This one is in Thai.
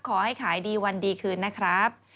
ขอให้ขายดีวันดีคืนนะครับ